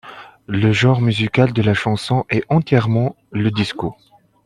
Le genre musical de la chanson est entièrement le disco.